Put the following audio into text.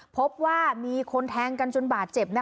พบว่ามีคนแทงกันจนบาดเจ็บ